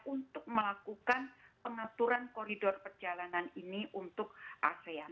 untuk melakukan pengaturan koridor perjalanan ini untuk asean